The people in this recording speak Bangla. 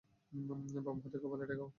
বাম হাত কপালে ঠেকাও।